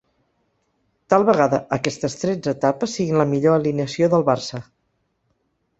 Tal vegada aquestes tretze etapes siguin la millor alineació del Barça.